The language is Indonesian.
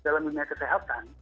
dalam dunia kesehatan